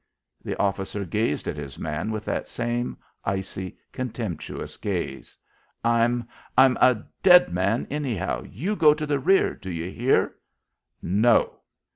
The officer gazed at his man with that same icy, contemptuous gaze. "I'm I'm a dead man anyhow. You go to the rear, do you hear?" "No."